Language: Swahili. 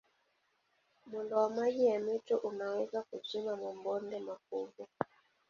Mwendo wa maji ya mito unaweza kuchimba mabonde makubwa.